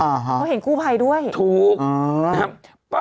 เขาเห็นกู้ภัยด้วยถูก